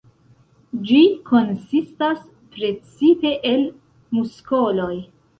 Ĝi konsistas precipe el muskoloj.